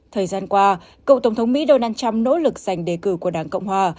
thời gian qua cựu tổng thống mỹ donald trump nỗ lực giành đề cử của đảng cộng hòa